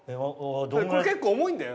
これ結構重いんだよ